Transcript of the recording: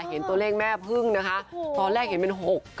เห็นตัวเลขแม่พึ่งนะคะตอนแรกเห็นเป็น๖๘